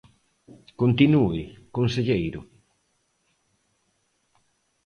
Continúe, conselleiro.